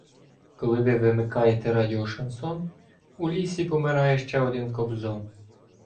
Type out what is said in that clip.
Коли ви вимикаєте радіо Шансон У лісі помирає ще один Кобзон.